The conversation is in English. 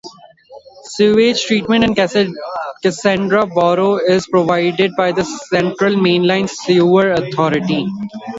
Sewage Treatment in Cassandra Boro is provided by the Central Mainline Sewer Authority.